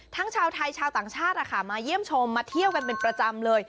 ชาวไทยชาวต่างชาติมาเยี่ยมชมมาเที่ยวกันเป็นประจำเลย